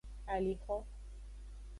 Alixo.